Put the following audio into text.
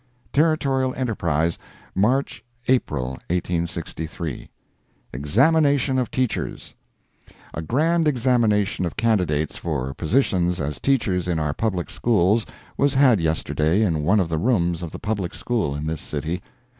Territorial Enterprise, March—April, 1863 EXAMINATION OF TEACHERS A grand examination of candidates for positions as teachers in our public schools was had yesterday in one of the rooms of the Public School in this city.